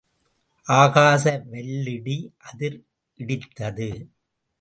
ஆகாச வல்லிடி அதிர இடித்தது.